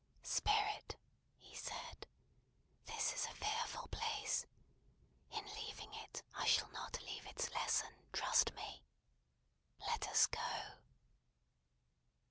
"Spirit!" he said, "this is a fearful place. In leaving it, I shall not leave its lesson, trust me. Let us go!"